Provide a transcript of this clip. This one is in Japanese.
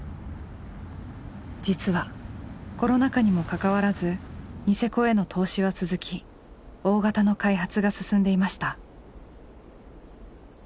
実はコロナ禍にもかかわらずニセコへの投資は続き大型の開発が進んでいました。